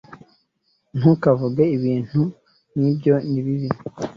Ntukavuge ibintu nkibyo nibibi